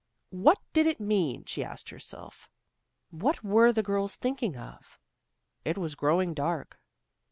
What did it mean, she asked herself. What were the girls thinking of? It was growing dark.